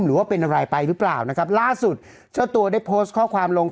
หรือว่าเป็นอะไรไปหรือเปล่านะครับล่าสุดเจ้าตัวได้โพสต์ข้อความลง